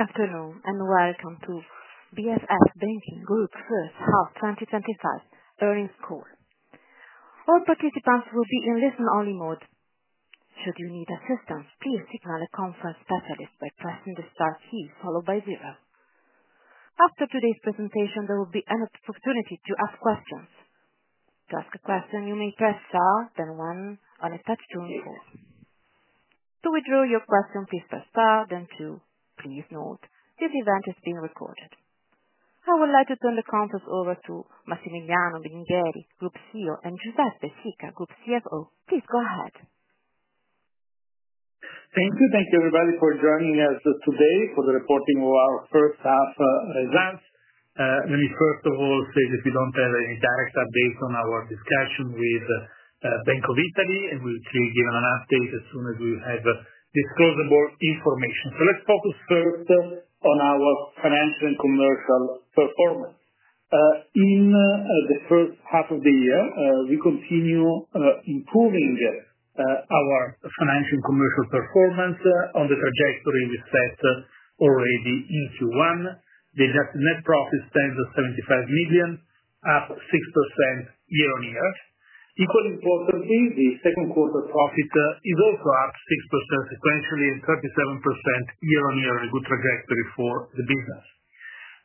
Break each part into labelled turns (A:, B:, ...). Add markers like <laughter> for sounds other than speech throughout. A: Afternoon and welcome to BFF Banking Group's First Half 2025 Earnings Call. All participants will be in listen-only mode. Should you need assistance, please signal a conference specialist by pressing the star key followed by zero. After today's presentation, there will be an opportunity to ask questions. To ask a question, you may press star, then one, and it takes two minutes. To withdraw your question, please press star, then two. Please note that the event is being recorded. I would like to turn the conference over to Massimiliano Belingheri, Group CEO, and Giuseppe Sica, Group CFO. Please go ahead.
B: Thank you. Thank you, everybody, for joining us today for the reporting of our first half results. Let me, first of all, say that we don't have any direct updates on our discussion with the Bank of Italy, and we'll give an update as soon as we have discussed more information. Let's focus first on our financial and commercial performance. In the first half of the year, we continue improving our financial and commercial performance on the trajectory you set already in Q1. The net profit stands at 75 million, up 6% year on year. Equally importantly, the second quarter profit is also up 6% sequentially and 37% year on year, a good trajectory for the business.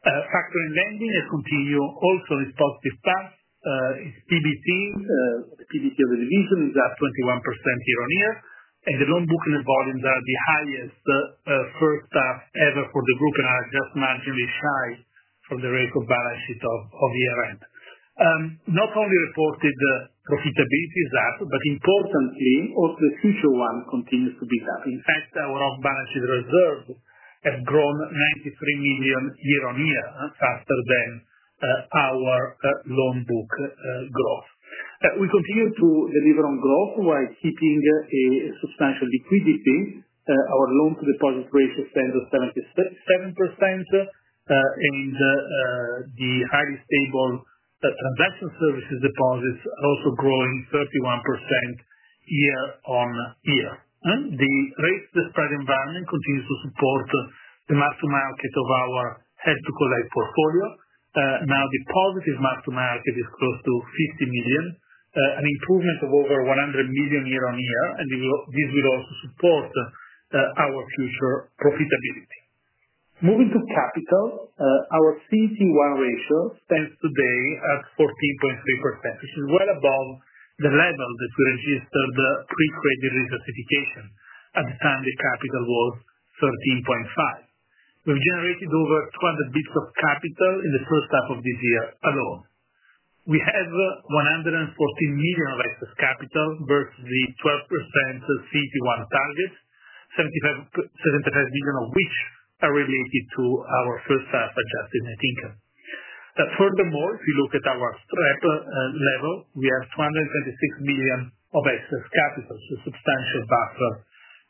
B: Factoring & Lending continues also in positive path. The PBT of the division is up 21% year on year, and the loan booking volumes are the highest first half ever for the group, and I just mention this high from the record balance sheet of year-end. Not only reported the profitability is up, but importantly, the crucial one continues to be up. In fact, our off-balance sheet reserves have grown 93 million year on year, faster than our loan book growth. We continue to deliver on growth while keeping a substantial liquidity. Our loan-to-deposit ratio stands at 77%, and the highly stable transaction services deposits also growing 31% year on year. The risk-to-spread environment continues to support the marching market of our head-to-collect portfolio. Now, deposit is marching market is close to 50 million, an improvement of over 100 million year on year, and this will also support our future profitability. Moving to capital, our CET1 ratio stands today at 14.3%. This is well above the level that we registered pre-credit recertification at the time the capital was 13.5%. We've generated over 200 basis points of capital in the first half of this year alone. We have 114 million of excess capital versus the 12% CET1 targets, 75 million of which are related to our first half adjusted net income. Furthermore, if you look at our SREP level, we have 226 million of excess capital. It's a substantial buffer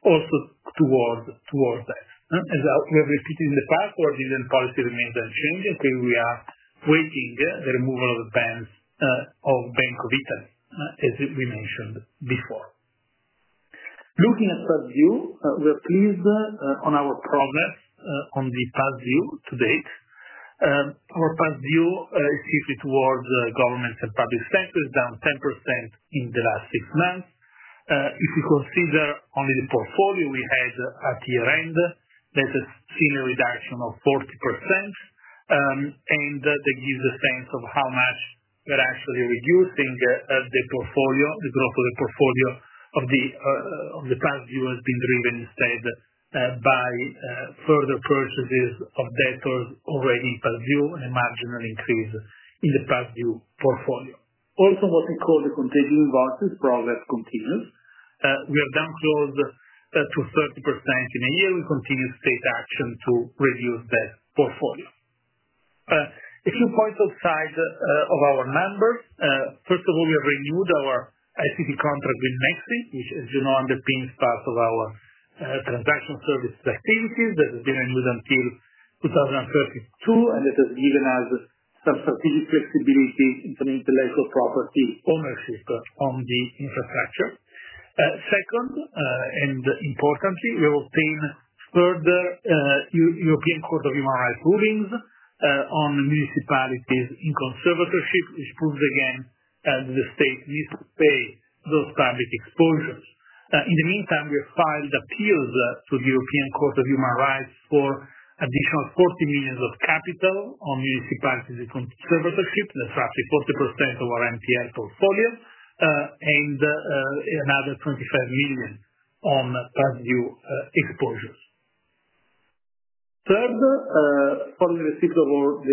B: also towards us. As I've repeated in the past, our dividend policy remains unchanged until we are breaking the removal of the bans of Bank of Italy, as we mentioned before. Looking at past due, we are pleased on our progress on the past due to date. Our past due is slightly towards the government and public sectors, down 10% in the last six months. If we consider only the portfolio we had at year-end, that's a seen reduction of 40%. That gives a sense of how much we're actually reducing the portfolio. The growth of the portfolio of the past due has been driven instead by further purchases of debtors already in past due and a marginal increase in the past due portfolio. Also, what we call the contagion invoices, progress continues. We have downsold to 30% in a year and continue to take action to reduce this portfolio. A few points outside of our numbers. First of all, we have renewed our ICT contract with Nexi, which, as you know, underpins parts of our transactional services activities. This has been renewed until 2032, and it has given us some strategic flexibility into the intellectual property owner's interest on the infrastructure. Second, and importantly, we have obtained further European Court of Human Rights rulings on municipalities in conservatorship, which proves again that the State needs to pay those public exposures. In the meantime, we have filed appeals to the European Court of Human Rights for additional 40 million of capital on municipalities in conservatorship. That's roughly 40% of our NPL portfolio, and another 25 million on past due exposures. Third, finally received the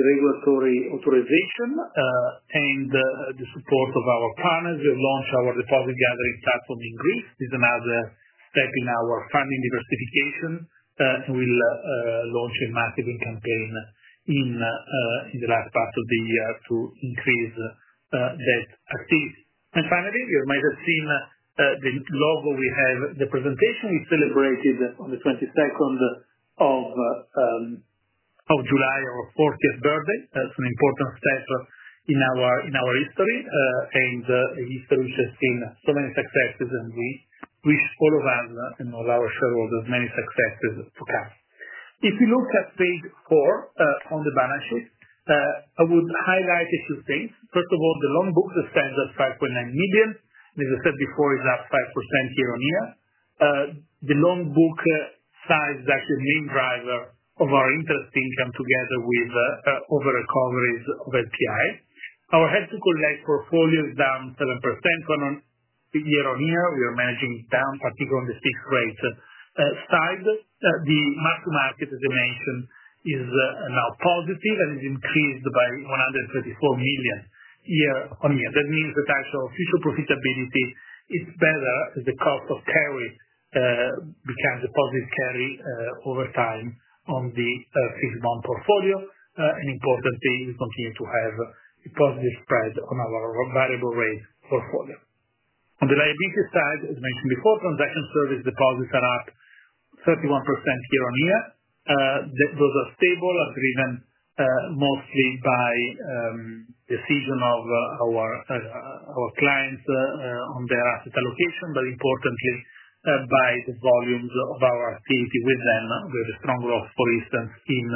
B: regulatory authorization and the support of our partners. We have launched our deposit gathering starts on the list. This is another step in our funding diversification, and we'll launch a massive campaign in the last part of the year to increase that activity. Finally, you might have seen the logo we have. The presentation is celebrated on the 22nd of July, our 40th birthday. That's an important step in our history, and a history which has seen so many successes, and we wish all of us and all our shareholders many successes to come. If you look at page four on the balance sheet, I would highlight a few things. First of all, the loan book that stands at 5.9 billion. As I said before, it's up 5% year on year. The loan book size is actually the main driver of our interest income together with over-recoveries of LTI. Our head-to-collect portfolio is down 7% year on year. We are managing it down, particularly on the fixed rate side. The market, as I mentioned, is now positive and is increased by 134 million year on year. That means that our official profitability is better as the cost of carry becomes a positive carry over time on the fixed bond portfolio. And importantly, we continue to have a positive spread on our variable rate portfolio. On the liability side, as I mentioned before, transaction services deposits are up 31% year on year. Those are stable. They're driven mostly by the season of our clients on their asset allocation, but importantly, by the volumes of our activity with them. We have strong growth, for instance, in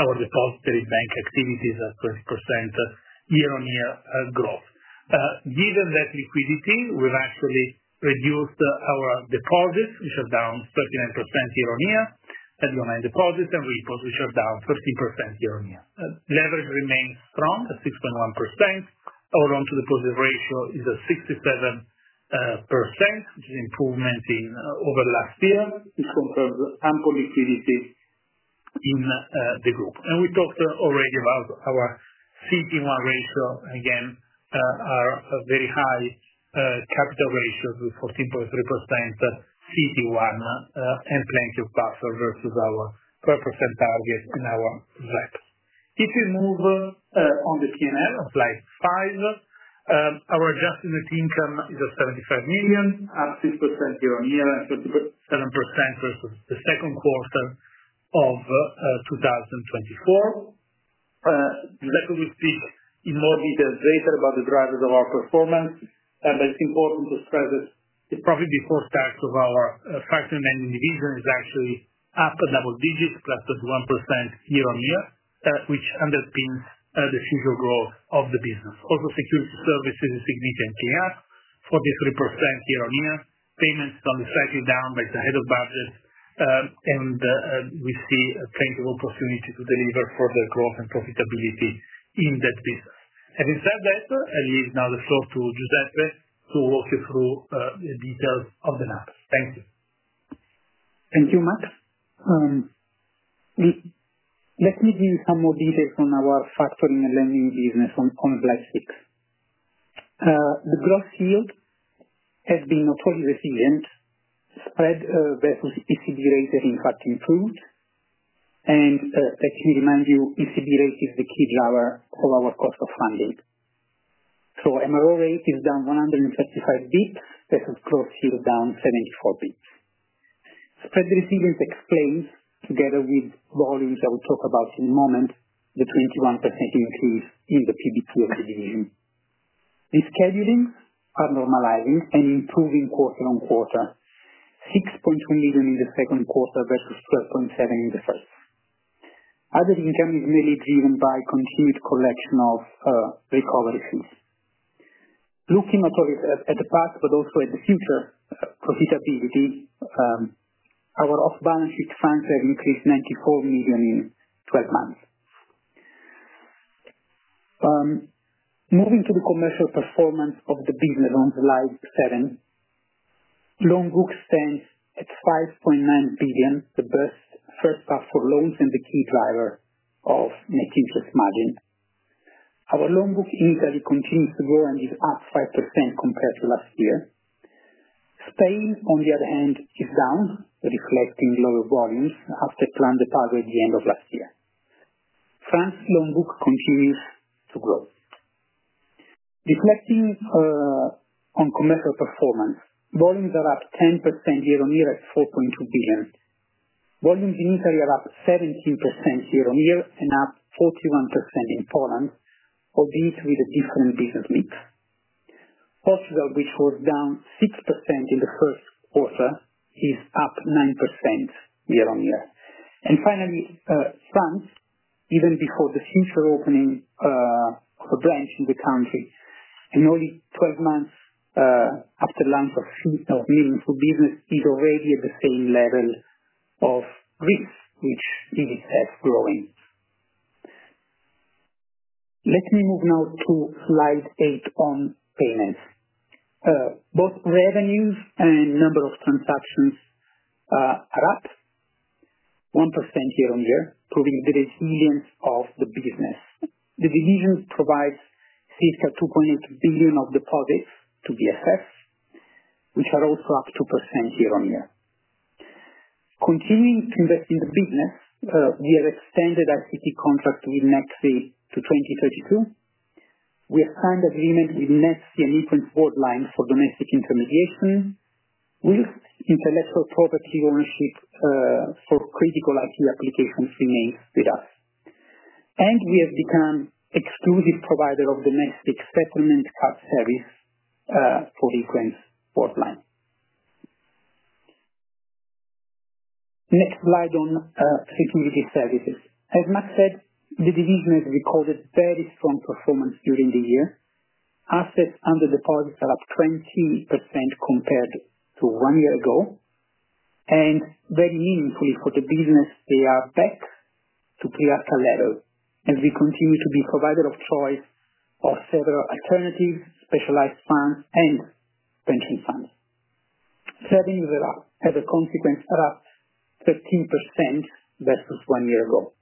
B: our depository bank activities at 20% year on year growth. Given that liquidity, we've actually reduced our deposits, which are down 39% year on year, and deposits and repos, which are down 13% year on year. Leverage remains strong at 6.1%. Our loan-to-deposit ratio is at 67%, which is an improvement over last year. It compares ample liquidity in the group. We talked already about our CET1 ratio. Again, our very high capital ratio is 14.3% CET1, and plenty of buffer versus our percentile risk in our SREP. If we move on the P&L of slide five, our adjusted net income is at 75 million, up 6% year on year, and 7% versus the second quarter of 2024. Let me speak in more detail later about the drivers of our performance. It's important to stress that the profit before tax of our Factoring & Lending division is actually up a double digit, 31%+ year on year, which underpins the future growth of the business. Also, Securities Services is significantly up 43% year on year. Payments are only slightly down, but it's ahead of budget. We see plenty of opportunity to deliver further growth and profitability in that business. With that, I leave now the floor to Giuseppe to walk you through the details of the numbers. Thank you.
C: Thank you, Max. Let me give you some more details on our Factoring & Lending business on slide six. Gross yield has been not fully resilient. Spread versus ECB rate has, in fact, improved. Let me remind you, ECB rate is the key driver of our cost of funding. So MRO rate is down 135 basis points versus gross yield down [784 basis points. Spread resilience explains, together with volume that we'll talk about in a moment, the 21% increase in the ECB of the division. Reschedulings are normalizing and improving quarter on quarter. 6.2 million in the second quarter versus 12.7 million in the first. Other income is merely driven by continued collection of recoveries. Looking at the past, but also at the future, profit has been reduced. Our off-balance sheet funds have increased 94 million in 12 months. Moving to the commercial performance of the business on slide seven, loan books stand at 5.9 billion, the best first half for loans and the key driver of net interest margin. Our loan book in value continues to grow and is up 5% compared to last year. Spain, on the other hand, is down. It is lost in lower volumes after planned recovery at the end of last year. France's loan book continues to grow. Reflecting on commercial performance, volumes are up 10% year on year at 4.2 billion. Volumes in Italy are up 17% year on year and up 41% in foreign, all being with a dip from recent weeks. Portugal, which was down 6% in the first quarter, is up 9% year on year. Finally, France, even before the future opening branch in the country, and only 12 months after the launch of the business, is already at the same level of growth, which it is growing. Let me move now to slide eight on Payments. Both revenues and number of transactions are up 1% year on year, proving the resilience of the business. The division provides 2.8 billion of deposits to BFF, which are also up 2% year on year. Continuing to invest in the business, we have extended our ICT contract with Nexi to 2032. We have signed an agreement with Nexi and different board lines for domestic intermediation, with intellectual property ownership for critical IT applications remaining with us. We have become an exclusive provider of domestic settlement tax service for different board lines. Next slide on Securities Services. As Max said, the division has recorded very strong performance during the year. Assets under deposits are up 20% compared to one year ago. That means we put the business payer back to payer for level. We continue to be a provider of choice of several alternatives, specialized funds, and pension funds. Savings as a consequence are up 15% versus one year ago.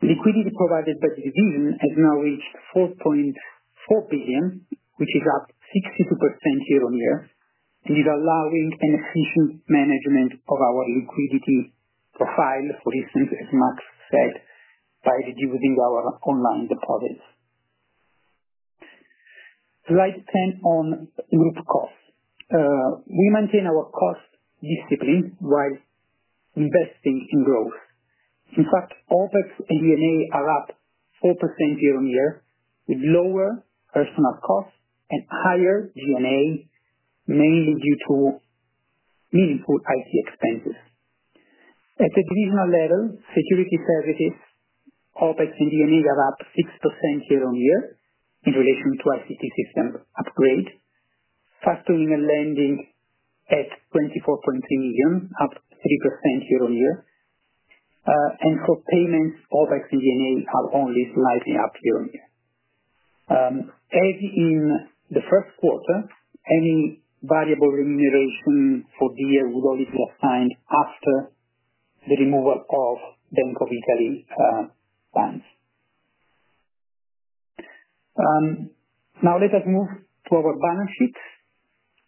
C: Liquidity provided by the division has now reached 4.4 billion, which is up 62% year on year, allowing an efficient management of our liquidity profile, for instance, as Max said, by reducing our online deposits. Slide 10 on group costs. We maintain our cost discipline while investing in growth. In fact, OpEx and D&A are up 4% year on year, with lower personnel costs and higher D&A, mainly due to meaningful IT expenses. At the divisional level, Securities Services OpEx and D&A are up 6% year on year in relation to the ICT system upgrade. Factoring & Lending at 24.3 million, up 3% year on year. For Payments, OpEx and D&A are only slightly up year on year. As in the first quarter, any variable remuneration for the year would only be assigned after the removal of Bank of Italy funds. Now, let us move to our balance sheet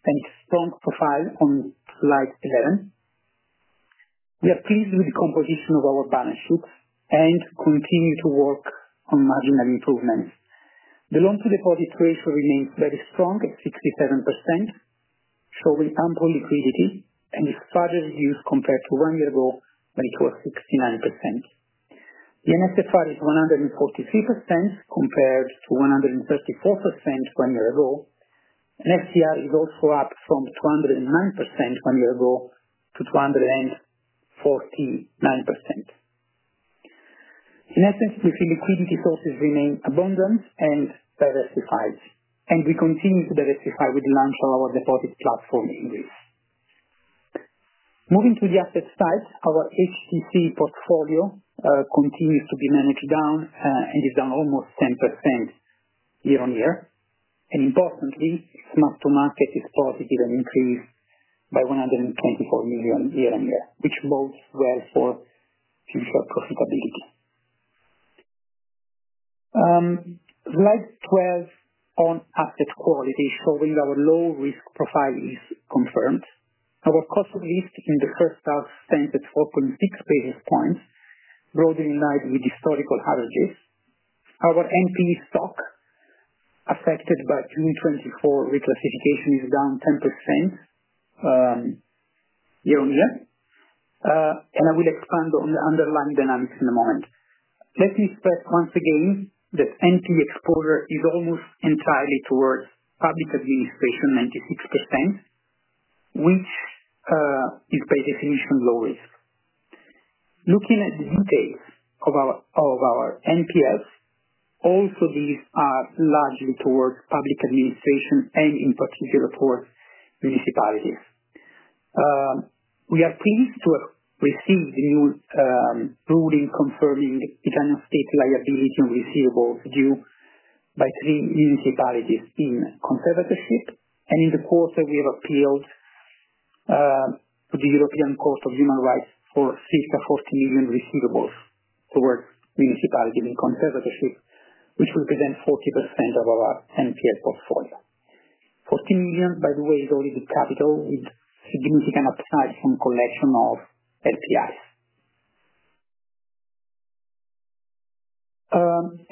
C: and its strong profile on slide 11. We are pleased with the composition of our balance sheet and continue to work on marginal improvements. The loan-to-deposit ratio remains very strong at 67%, showing ample liquidity and is further reduced compared to one year ago, when it was 69%. The NSFR is 143% compared to 134% one year ago. LCR is also up from 209% one year ago to 249%. In essence, we see liquidity profits remain abundant and diversified. We continue to diversify with the launch of our deposit platform in Greece. Moving to the asset side, our HTC portfolio continues to be managed down and is down almost 10% year on year. Importantly, the market is positive and increased by 124 million year on year, which bodes well for future profitability. Slide 12 on asset quality, showing our low-risk profile is confirmed. Our cost of risk in the first half stands at 4.6 basis points, broadly in line with historical averages. Our NP stock affected by 2024 reclassification is down 10% year on year. I will expand on the underlying dynamics in a moment. Let me stress once again that [NPV] exposure is almost entirely towards public administration, 96%, which is by definition low risk. Looking at the details of our NPLs, also these are largely towards public administration and, in particular, towards municipalities. We are pleased to have received the new ruling confirming the picking of State liability and receivables due by the municipalities in conservatorship. In the quarter, we have appealed to the European Court of Human Rights for <inaudible> and receivables towards municipalities in conservatorship, which will then be 40% of our NPL portfolio. 14 million, by the way, is only the capital. It's significantly outside from the collection of LTI.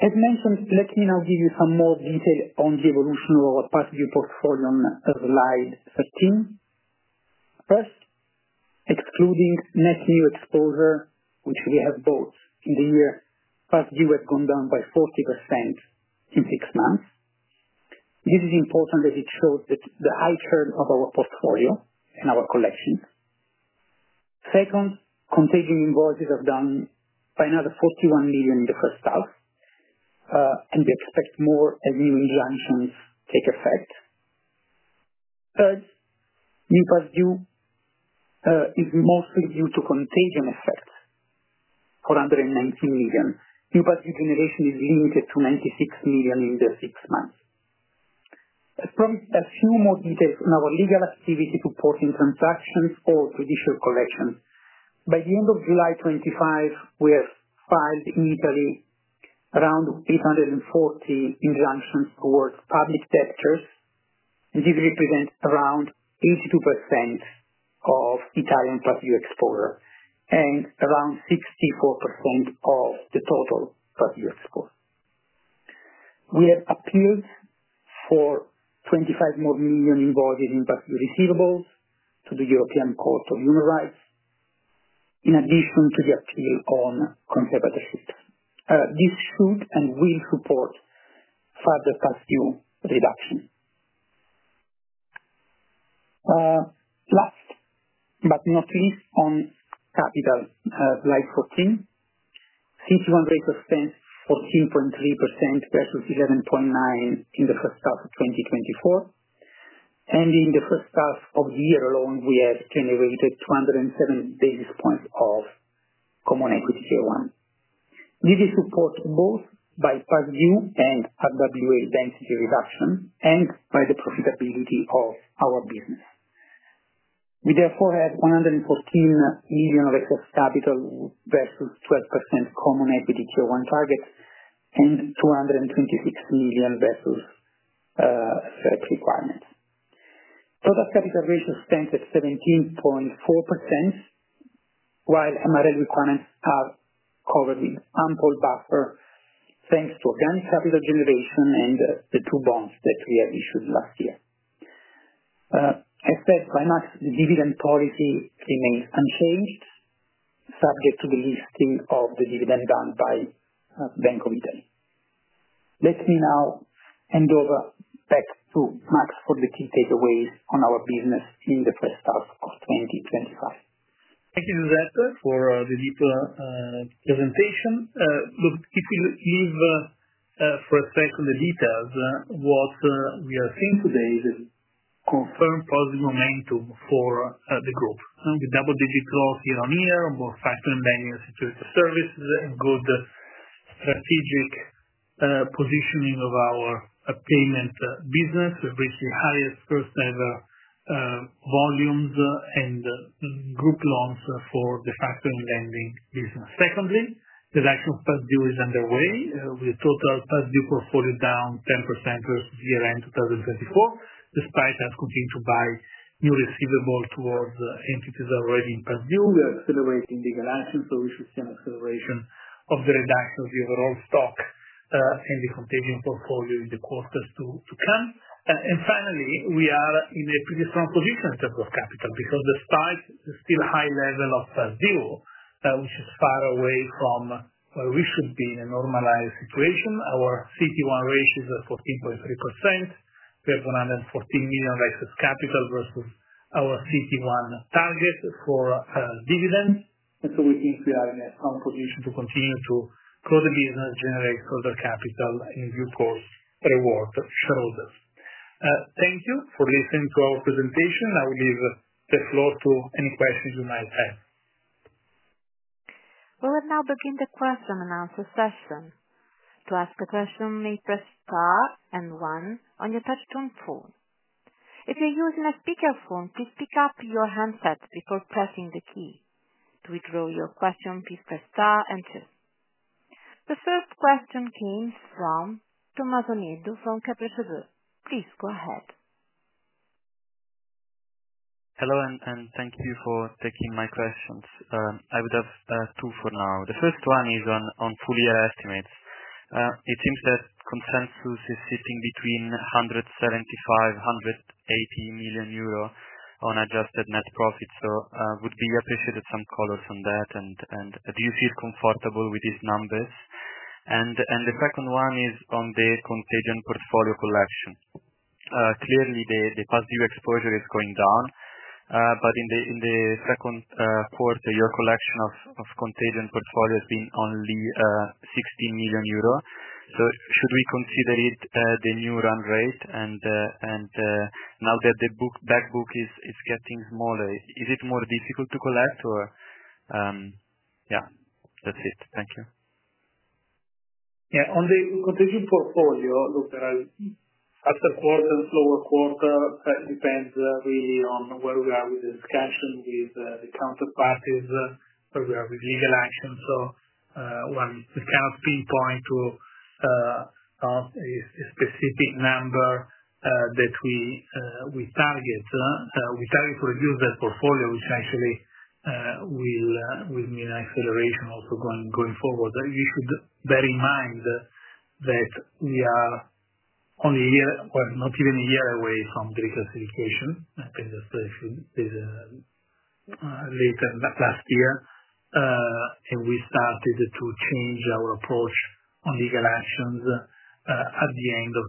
C: As mentioned, let me now give you some more details on the evolution of our past due portfolio on slide 13. First, excluding net new exposure, which we have both in the year, past due has gone down by 40% in six months. This is important as it shows the high churn of our portfolio and our collections. Second, contagion invoices are down by another 41 million in the first half, and we expect more as new regulations take effect. Third, new past due is mostly due to contagion effect, 419 million. New past due generation is limited to 96 million in the six months. As promised, a few more details on our legal activity to port in transactions or judicial collections. By the end of July 2025, we have filed in Italy around 840 injunctions towards public debtors, and this represents around 82% of Italian past due exposure and around 64% of the total past due exposure. We have appealed for 25 million more invoices in past due receivables to the European Court of Human Rights in addition to the appeal on conservatorships. This should and will support further past due reduction. Last but not least, on capital, slide 14. CET1 ratio stands at 14.3% versus 11.9% in the first half of 2024. In the first half of the year alone, we have generated 270 basis points of common equity CET1. This is supported both by past due and above the rate of density reduction and by the profitability of our business. We therefore have 114 million of excess capital versus 12% common equity CET1 targets and EUR 226 million versus SREP requirements. Total capital ratio stands at 17.4%, while MREL requirements are covered in ample buffer thanks to organic capital generation and the two bonds that we have issued last year. As said by Max, the dividend policy remains unchanged, subject to the listing of the dividend done by Bank of Italy. Let me now hand over back to Max for the key takeaways on our business in the first half of 2025.
B: Thank you, Giuseppe, for the deep presentation. Look, if you leave for a second the details, what we are seeing today is a confirmed positive momentum for the group. The double-digit growth year on year, more Factoring & Lending and Securities Services, and good strategic positioning of our Payments business, with recent highest first-ever volumes and group loans for the Factoring & Lending business. Secondly, the reduction of past due is underway, with the total past due portfolio down 10% versus year-end 2024, despite us continuing to buy new receivables towards entities already in past due. We are accelerating legal actions, so we should see an acceleration of the reduction of the overall stock and the contagion portfolio in the quarters to come. Finally, we are in a pretty strong position in terms of capital because despite the still high level of past due, which is far away from where we should be in a normalized situation, our CET1 ratio is at 14.3%. We have 114 million of excess capital versus our CET1 target for dividends. We think we are in a strong position to continue to grow the business, generate further capital, and increase our shareholders. Thank you for listening to our presentation. I will leave the floor to any questions you might have.
A: We will now begin the question and answer session. To ask a question, please press star and one on your touch-tone phone. If you're using a speaker phone, please pick up your handset before pressing the key. To withdraw your question, please press star and two. The first question came from Tommaso Nieddu from Kepler Cheuvreux. Please go ahead.
D: Hello, and thank you for taking my questions. I would have two for now. The first one is on full-year estimates. It seems that consensus is sitting between 175 million euro and 180 million euro on adjusted net profits, so would be appreciated some colors on that. Do you feel comfortable with these numbers? The second one is on the contagion portfolio collection. Clearly, the past due exposure is going down, but in the second quarter, your collection of contagion portfolio has been only 16 million euro. Should we consider it the new run rate? Now that the back book is getting smaller, is it more difficult to collect, or? Yeah, that's it. Thank you.
B: Yeah. On the contagion portfolio, look, there are upper quarter and lower quarter. It depends really on where we are with the discussion with the counterparts, where we are with legal actions. When discounts pinpoint to a specific number that we target, we target to reduce that portfolio, which actually will mean acceleration also going forward. Bear in mind that we are only a year, not even a year away from the reclassification. I think this was a bit late in the last year. We started to change our approach on legal actions at the end of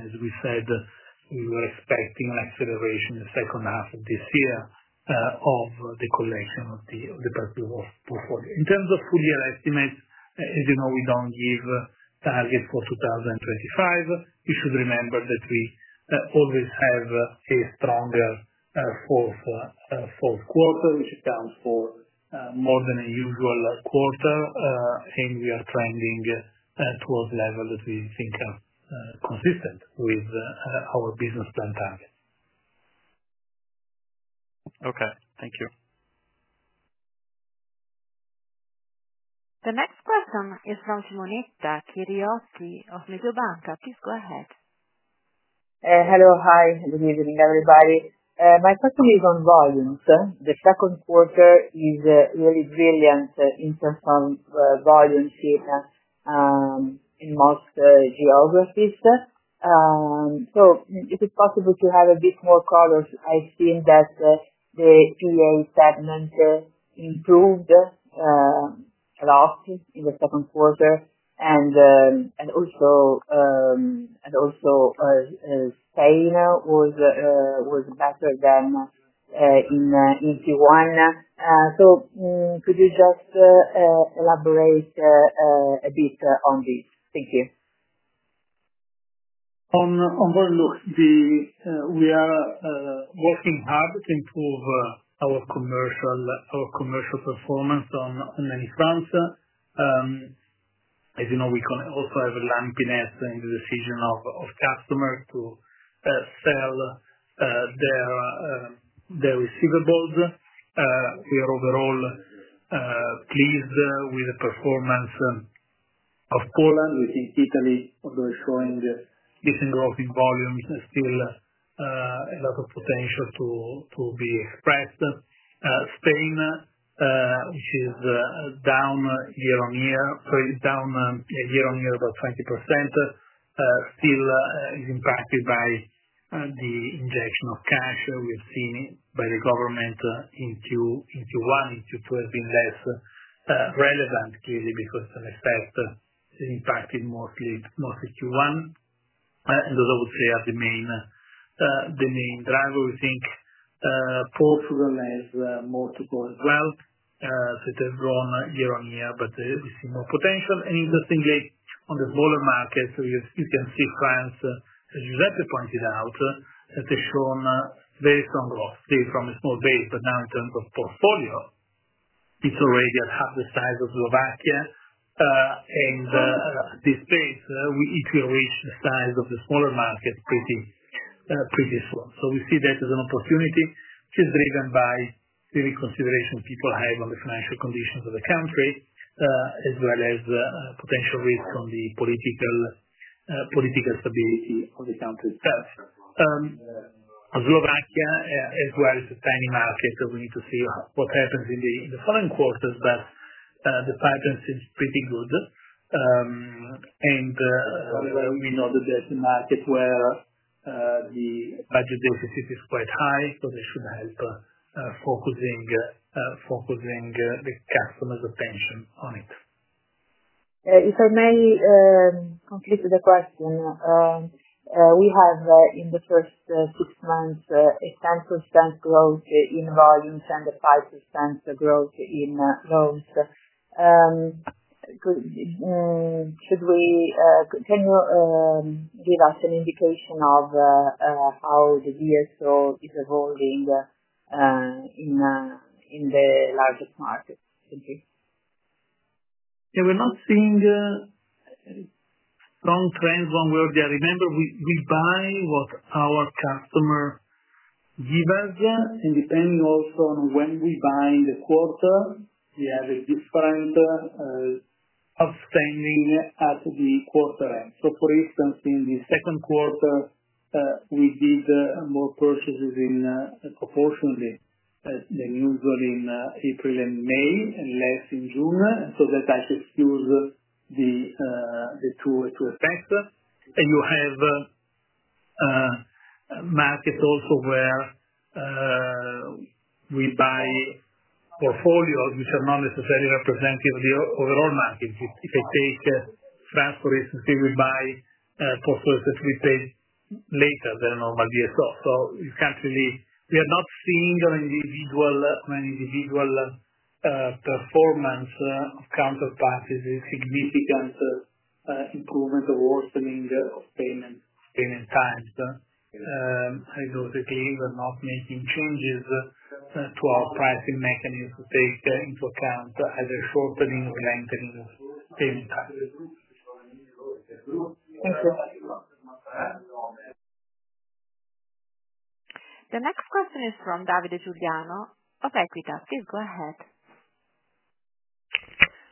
B: 2024. As we said, we were expecting an acceleration in the second half of this year of the collection of the past due portfolio. In terms of full-year estimates, as you know, we don't give targets for 2025. You should remember that we always have a stronger fourth quarter, which accounts for more than a usual quarter. We are trending towards levels that we think are consistent with our business plan target.
D: Okay, thank you.
A: The next person is from Simonetta Chiriotti of Mediobanca. Please go ahead.
E: Hello. Hi. Good evening, everybody. My question is on volumes. The second quarter is really brilliant in terms of volumes here in most geographies. If it's possible to have a bit more colors, <inaudible> segment improved a lot in the second quarter. Also, Spain was better than in Q1. Could you just elaborate a bit on this? Thank you.
B: On volume, we are working hard to improve our commercial performance on many fronts. As you know, we can also have a lumping in the decision of customers to sell their receivables. We are overall pleased with the performance of Poland, which is Italy, although it's showing different growth in volume, is still a lot of potential to be expressed. Spain, which is down year on year, pretty down year on year, about 20%, still is impacted by the injection of cash. We've seen by the government in Q1 and Q2 has been less relevant, clearly, because the next step is impacted mostly Q1. Those I would say are the main drivers. We think Portugal has more to go as well since they've grown year on year, but they see more potential. Interestingly, on the smaller markets, you can see France, as Giuseppe pointed out, that they've shown very strong growth, still from a small base, but now in terms of portfolio, it's already at half the size of Slovakia. At this pace, if we reach the size of the smaller markets, pretty slow. We see that as an opportunity, which is driven by the reconsideration people have on the financial conditions of the country, as well as potential risk on the political stability of the country itself. Slovakia, as well as the tiny market, we need to see what happens in the following quarters, but the pattern seems pretty good. We know that there's a market where the budget deficit is quite high, so this should help focusing the customers' attention on it.
E: You certainly completed the question. We have, in the first six months, a 10% growth in volumes and a 5% growth in loans. Can you give us an indication of how the DSO is evolving in the larger market?
B: We're not seeing strong trends. One word, I remember, we buy what our customer gives us. Depending also on when we buy in the quarter, we have a different outstanding at the quarter end. For instance, in the second quarter, we did more purchases proportionately than usual in April and May and less in June. That has skewed the two effects. You have markets also where we buy portfolios which are not necessarily representative of the overall market. If I take France, for instance, we buy portfolios that we paid later than normal DSO. We are not seeing an individual performance of counterparts. It's a significant improvement of the worsening of payment times. I don't think we're making changes to our pricing mechanism to take into account either shortening or lengthening of payment times.
A: The next question is from Davide Giuliano of Equita. Please go ahead.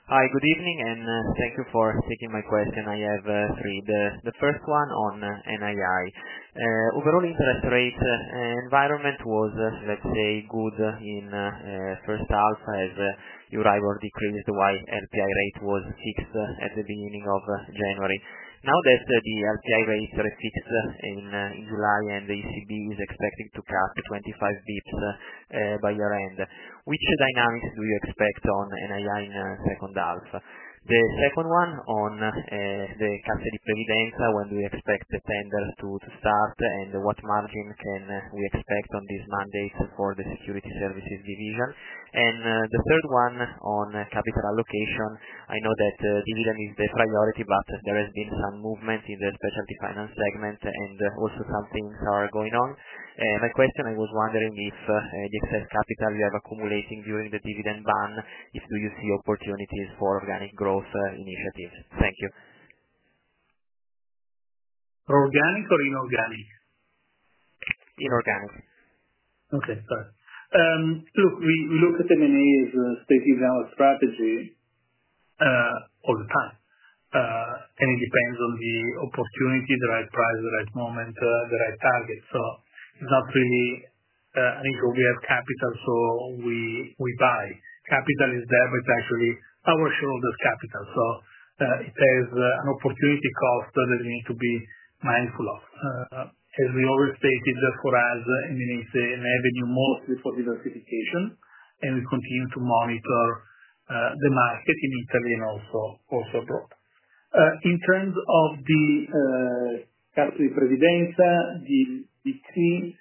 F: Hi. Good evening, and thank you for taking my question. I have three. The first one on NII. Overall, the interest rate environment was, let's say, good in the first half as your <inaudible> decreased while LTI rate was fixed at the beginning of January. Now that the LTI rate sits in July and the ECB is expected to cut 25 basis points by year-end, which dynamics do you expect on NII in the second half? The second one on the [Case di Presidenza], when do you expect the tender to start and what margins can we expect on this Monday for the Securities Services division? The third one on capital allocation. I know that dividend is the priority, but there has been some movement in the specialty finance segment and also some things are going on. My question, I was wondering if the excess capital you have accumulating during the dividend ban, do you see opportunities for organic growth initiatives? Thank you.
B: Organic or inorganic?
F: Inorganic.
B: Okay. Look, we look at the M&A as a state development strategy over the past. It depends on the opportunity, the right price, the right moment, the right target. It is not really an incurable capital, so we buy. Capital is there, but it is actually our shareholders' capital. It has an opportunity cost that we need to be mindful of. As we always stated, for us, M&A is an avenue mostly for diversification. We continue to monitor the market in Italy and also abroad. In terms of the [Case di Presidenza], the decree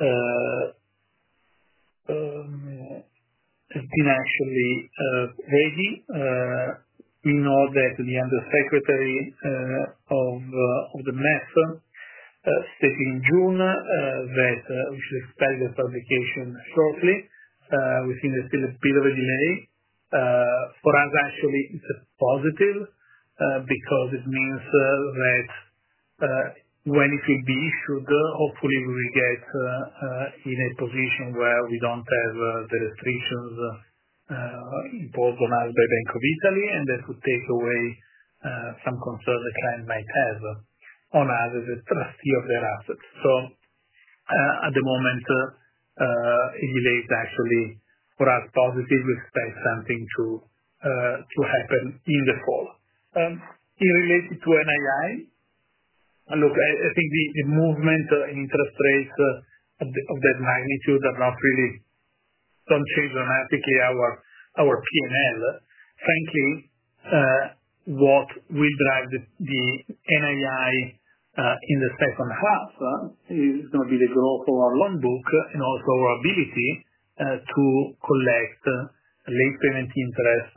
B: has been actually ready. We know that the undersecretary of the matter, speaking in June that we should expect the publication shortly. We think there is still a bit of a delay. For us, actually, it is a positive because it means that when it will be issued, hopefully, we will get in a position where we do not have the restrictions imposed on us by Bank of Italy. That would take away some concerns that clients might have on us as a trustee of their assets. At the moment, M&A is actually, for us, positive. We expect something to happen in the fall. In relation to NII, I think the movement in interest rates of that magnitude does not really change dramatically our P&L. Frankly, what will drive the NII in the second half is going to be the growth of our loan book and also our ability to collect late-payment interest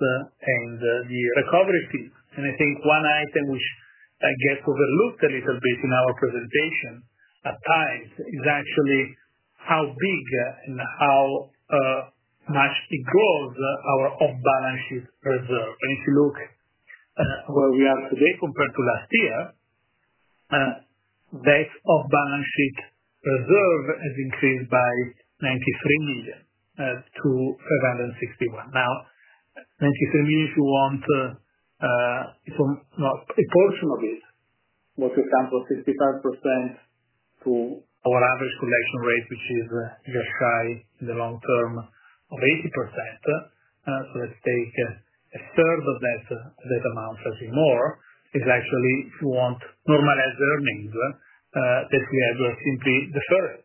B: and the recovery fees. I think one item which I guess is overlooked a little bit in our presentation at times is actually how big and how much it grows our off-balance sheet reserve. If you look at where we are today compared to last year, that off-balance sheet reserve has increased by 93 million to 561 million. Now, 93 million is not a portion of this, but for example, 65% to our average collection rate, which is just high in the long-term of 80%. Let's take 1/3 of that amount, something more, is actually, if you want, normalized earnings that we have deferred.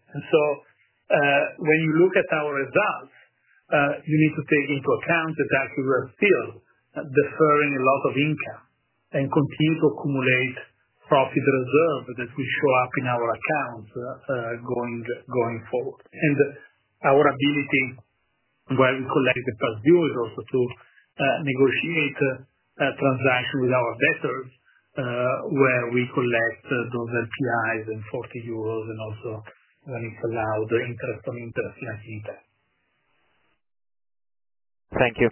B: When you look at our results, you need to take into account the fact that we were still deferring a lot of income and continue to accumulate profit reserve that will show up in our accounts going forward. Our ability where we collect the past due is also to negotiate transactions with our debtors where we collect those LTIs and 40 euros and also allow the interest on interest in. <inaudible>
F: Thank you.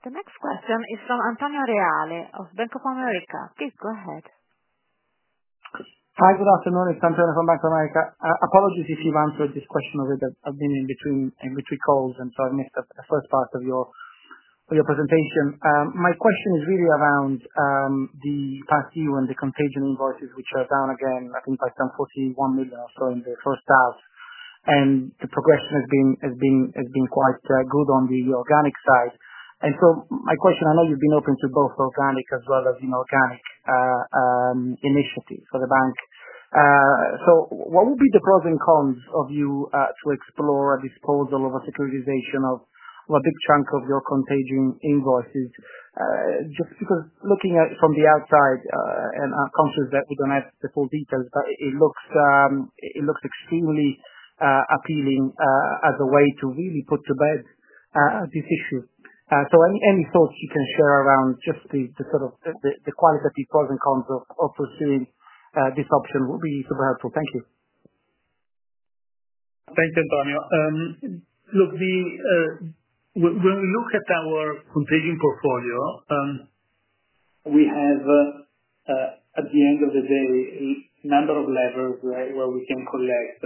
A: The next question is from Antonio Reale of Bank of America. Please go ahead.
G: Hi. Good afternoon. It's Antonio from Bank of America. Apologies if you've answered this question already. I've been in between calls and I missed the first part of your presentation. My question is really around the past due and the contagion invoices, which are down again. I think I spent 41 million or so in the first half. The progression has been quite good on the organic side. My question, I know you've been open to both organic as well as inorganic initiatives for the bank. What would be the pros and cons of you to explore a disposal or a securitization of a big chunk of your contagion invoices? Just because looking at it from the outside and I'm conscious that we don't have the full details, it looked extremely appealing as a way to really put to bed this issue. Any thoughts you can share around just the sort of the quantitative pros and cons of pursuing this option would be super helpful. Thank you.
B: Thanks, Antonio. When we look at our contagion portfolio, we have, at the end of the day, a number of levers where we can collect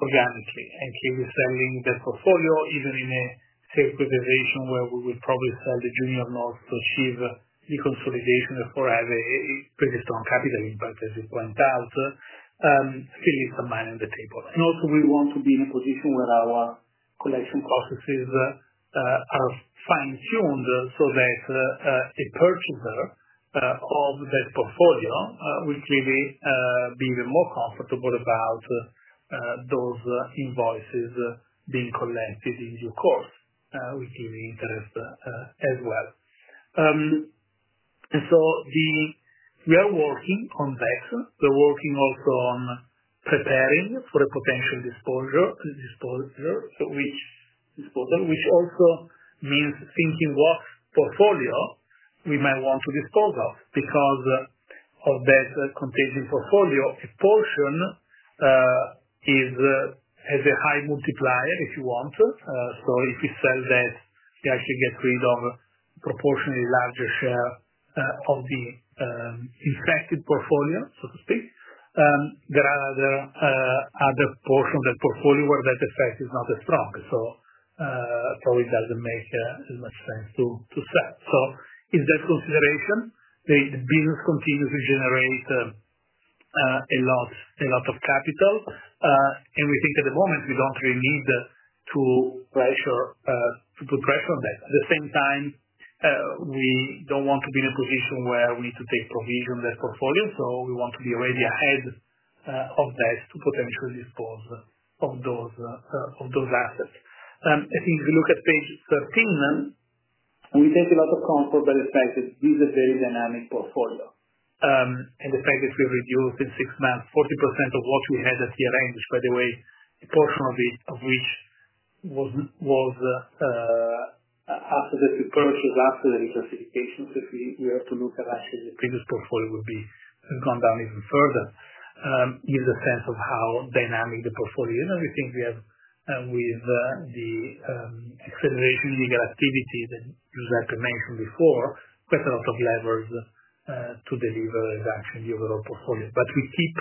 B: organically. If we're selling the portfolio, even in a securitization where we would probably hold the junior loss to achieve the consolidation, that for us is a pretty strong capital. As you point out, still, it's the money on the table. We want to be in a position where our collection processes are fine-tuned so that the purchaser of that portfolio will clearly be even more comfortable about those invoices being collected in the usual course, which is interest as well. We are working on that. We're working also on preparing for a potential disposal, which also means thinking what portfolio we might want to dispose of because of that contagion portfolio. A portion has a high multiplier, if you want. If you sell that, you actually get rid of a proportionately larger share of the expected portfolio, so to speak. There are other portions of the portfolio where that effect is not as strong. It probably doesn't make as much sense to sell. In that consideration, the business continues to generate a lot of capital. We think at the moment, we don't really need to put pressure on that. At the same time, we don't want to be in a position where we need to take provision of that portfolio. We want to be already ahead of that to potentially dispose of those assets. If you look at page 13, we take a lot of account for that effect that it is a very dynamic portfolio. The fact that we reduced in six months 40% of what we had at year end, which, by the way, a portion of which was after that we purchased after the reclassification. If you have to look at actually the previous portfolio, it would be gone down even further. Here's a sense of how dynamic the portfolio is. We think we have, with the discriminating legal activity that Giuseppe mentioned before, quite a lot of levers to deliver an actual usable portfolio. We keep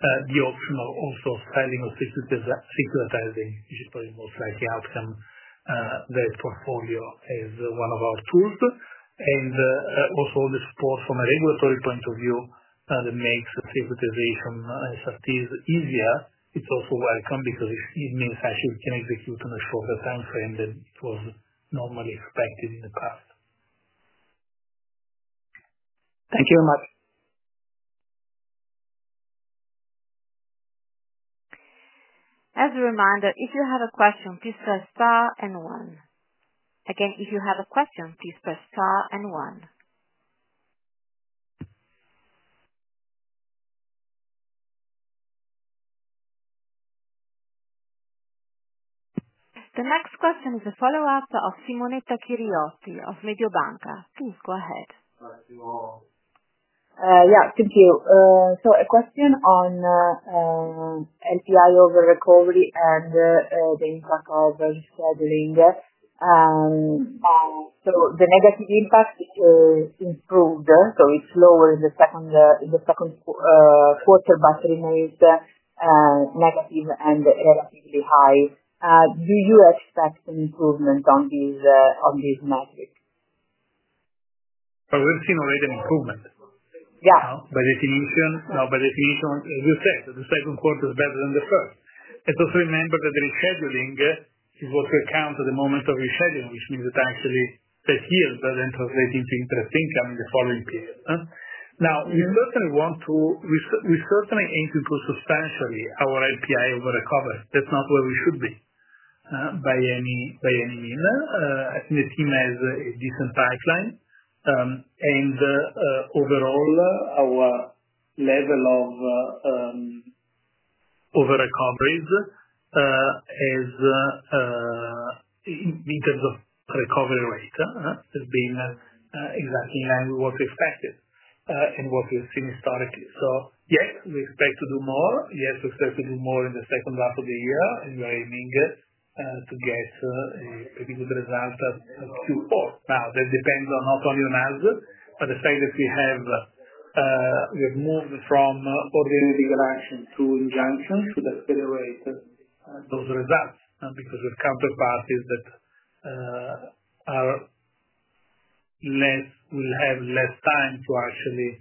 B: the option also of selling things that are synchronized, which is probably the most likely outcome. That portfolio is one of our tools. All the support from a regulatory point of view that makes the privatization of these easier is also welcome because it means actually we can execute on a shorter timeframe than it was normally expected in the past.
G: Thank you very much.
A: As a reminder, if you have a question, please press star and one. Again, if you have a question, please press star and one. The next question is a follow-up of Simonetta Chiriotti of Mediobanca. Please go ahead.
E: Thank you. A question on LTI over recovery and the impact of rescheduling. The negative impact improved, so it's lower in the second quarter, but remains negative and relatively high. Do you expect an improvement on these metrics?
B: I haven't seen already an improvement.
E: Yeah.
B: By definition, as you said, the second quarter is better than the third. Remember that the rescheduling is what you account at the moment of rescheduling, which means the tax rate that's here is better than translating to interest income in the following period. We certainly aim to improve substantially our LTI over recovery. That's not where we should be, by any means. I think the team has a different pipeline, and overall, our level of over recoveries in terms of recovery rate has been exactly in line with what we expected from what we have seen historically. Yes, we expect to do more. Yes, we expect to do more in the second half of the year, and we are aiming to get a pretty good result Q4. That depends not only on us, but the fact that we have moved from ordinary legal actions through injunctions with a speed of those results because we have counterparties that will have less time to actually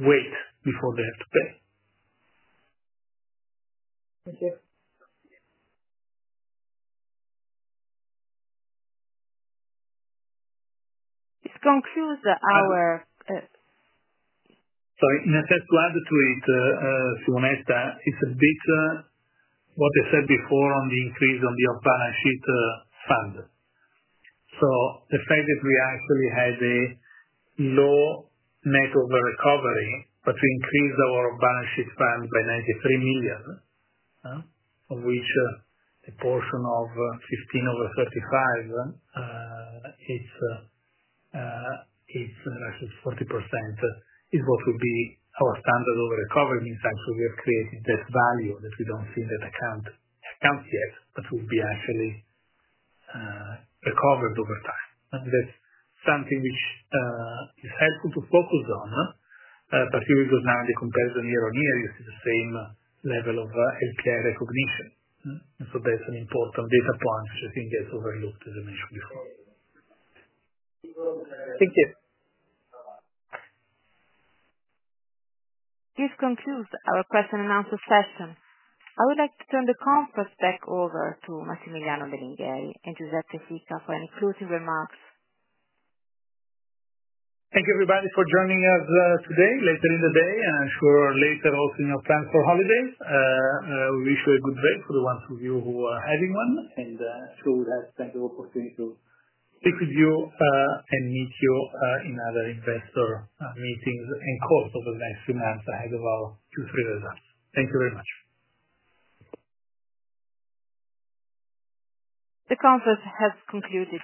B: wait before they have to pay.
A: To conclude our.
B: Sorry. In a first word to it,, it's a bit what I said before on the increase on the off-balance sheet fund. The fact that we actually had a low net over recovery, but we increased our balance sheet fund by 93 million, of which a portion of 15 million over 35 million, which is less than 40%, is what would be our standard over recovery. It means we have created that value that we don't see in that account yet, but would be actually recovered over time. That's something which is helpful to focus on, particularly because now, in the comparison year on year, you see the same level of LTI recognition. That's an important data point that I think gets overlooked, as I mentioned before.
A: This concludes our question and answer session. I would like to turn the conference back over to Massimiliano Belingheri and Giuseppe Sica for any closing remarks.
B: Thank you, everybody, for joining us today, later in the day, and I'm sure later also in your plans for holidays. We wish you a good break for the ones of you who are having one. I'm sure we'll have plenty of opportunities to speak with you and meet you in other investor meetings and calls over the next few months ahead of our Q3 results. Thank you very much.
A: The conference has concluded.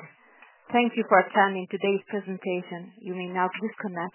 A: Thank you for attending today's presentation. You may now disconnect.